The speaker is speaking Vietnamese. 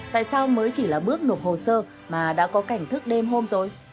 tại sao mới chỉ là bước nộp hồ sơ mà đã có cảnh thức đêm hôm rồi